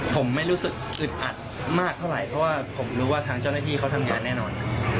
ผมไม่รู้สึกอึดอัดมากเท่าไหร่เพราะว่าผมรู้ว่าทางเจ้าหน้าที่เขาทำงานแน่นอน